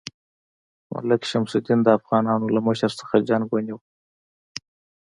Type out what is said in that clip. ملک شمس الدین د افغانانو له مشر څخه جنګ ونیوله.